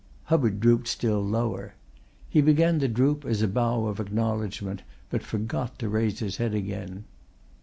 Hubbard drooped still lower. He began the droop as a bow of acknowledgment but forgot to raise his head again.